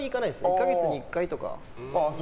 １か月に１回とか。